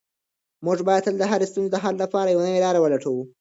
موږ باید تل د هرې ستونزې د حل لپاره یوه نوې لاره ولټوو.